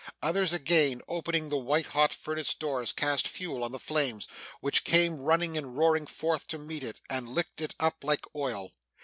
Others again, opening the white hot furnace doors, cast fuel on the flames, which came rushing and roaring forth to meet it, and licked it up like oil.